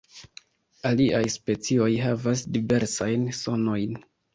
Aliaj specioj havas diversajn sonojn.